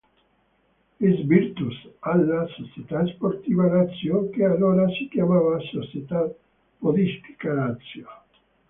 S. Virtus" alla "Società Sportiva Lazio" che allora si chiamava "Società Podistica Lazio".